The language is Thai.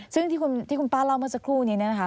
ซึ่งที่คุณป้าเล่าเมื่อสักครู่นี้เนี่ยนะคะ